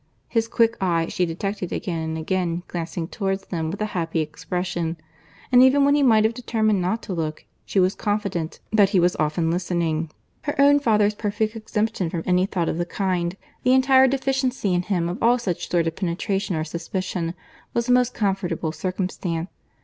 His quick eye she detected again and again glancing towards them with a happy expression; and even, when he might have determined not to look, she was confident that he was often listening. Her own father's perfect exemption from any thought of the kind, the entire deficiency in him of all such sort of penetration or suspicion, was a most comfortable circumstance.